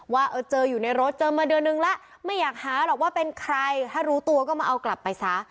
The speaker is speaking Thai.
ว่าเจออยู่ในรถเจอมาเดือนนึงแล้วไม่อยากหาหรอกว่าเป็นใครถ้ารู้ตัวก็มาเอากลับไปซะ